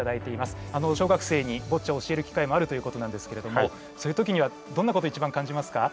小学生にボッチャを教えるきかいもあるということなんですけれどもそういう時にはどんなことをいちばん感じますか？